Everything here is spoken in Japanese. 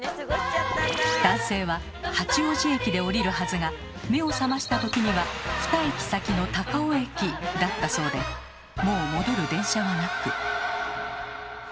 男性は八王子駅で降りるはずが目を覚ました時には２駅先の高尾駅だったそうでもう戻る電車はなく。